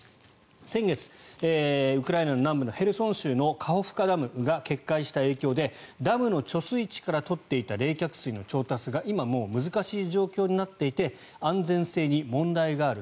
先月、ウクライナの南部ヘルソン州のカホフカダムが決壊した影響でダムの貯水池から取っていた冷却水の調達が今難しい状況になっていて安全性に問題がある。